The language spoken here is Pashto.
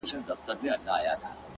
بریا له کوچنیو عادتونو جوړیږي